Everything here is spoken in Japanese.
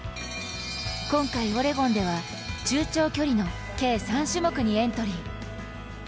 今回、オレゴンでは中長距離の計３種目にエントリー。